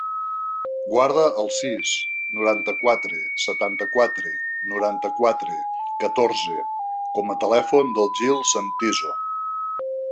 Guarda el sis, noranta-quatre, setanta-quatre, noranta-quatre, catorze com a telèfon del Gil Santiso.